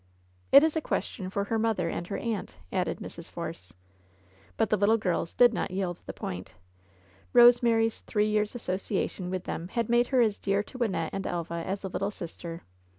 "It is a question for her mother and her aunt," added Mrs. Force. But the little girls did not yield the point. Eose mary's three years association with them had made her as dear to Wynnette and Elva as a little sister.